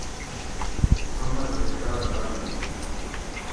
محمد ارشاد راہی